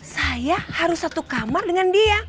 saya harus satu kamar dengan dia